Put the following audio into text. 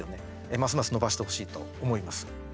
ますます伸ばしてほしいと思います。